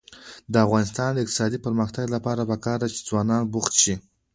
د افغانستان د اقتصادي پرمختګ لپاره پکار ده چې ځوانان بوخت شي.